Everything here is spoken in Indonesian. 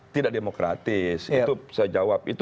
tidak demokratis itu saya jawab itu